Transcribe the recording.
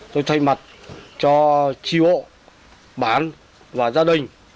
tôi thay mặt cho tri bộ bản và gia đình